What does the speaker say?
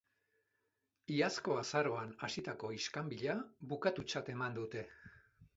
Iazko azaroan hasitako iskanbila bukatutzat eman dute.